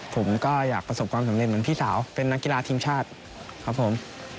ผมก็อยากประสบความสำเร็จเหมือนพี่สาวเป็นนักกีฬาทีมชาติครับผม